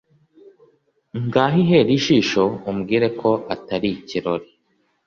Ngaho ihere ijisho umbwire ko atari ikirori?